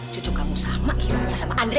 cucu kamu sama hilangnya sama andre